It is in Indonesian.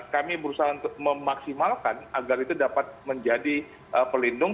kami berusaha untuk memaksimalkan agar itu dapat menjadi pelindung